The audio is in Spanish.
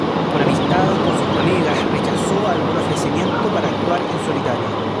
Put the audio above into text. Por amistad con sus colegas, rechazó algún ofrecimiento para actuar en solitario.